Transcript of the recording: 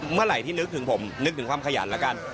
เมื่อไหร่ที่นึกถึงผมนึกถึงความขยันแล้วกัน